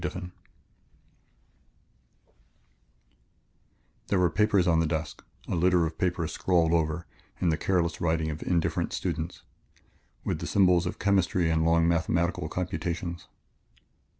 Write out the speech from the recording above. Diffin_ There were papers on the desk, a litter of papers scrawled over, in the careless writing of indifferent students, with the symbols of chemistry and long mathematical computations.